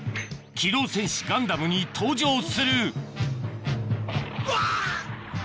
『機動戦士ガンダム』に登場するうわ！